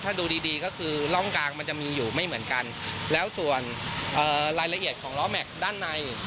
ถ้าดูดีดีก็คือร่องกลางมันจะมีอยู่ไม่เหมือนกันแล้วส่วนรายละเอียดของล้อแม็กซ์ด้านใน